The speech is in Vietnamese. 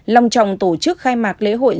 lòng trọng tổ chức khai mạc lễ hội